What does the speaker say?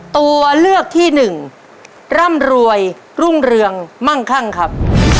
ตัวเลือกที่หนึ่งร่ำรวยรุ่งเรืองมั่งคั่งครับ